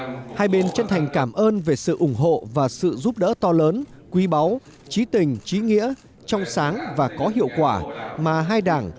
trong đó hai bên chân thành cảm ơn về sự ủng hộ và sự giúp đỡ to lớn quý báu trí tình trí nghĩa trong sáng và có hiệu quả mà hai đảng